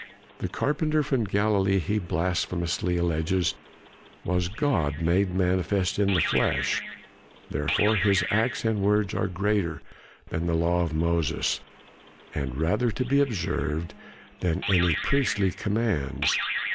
The carpenter from Galilee, he blasphemously alleges, was God made manifest in the flesh; therefore his acts and words are greater than the law of Moses, and rather to be observed than any priestly commands.